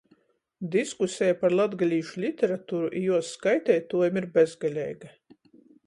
Diskuseja par latgalīšu literaturu i juos skaiteituojim ir bezgaleiga.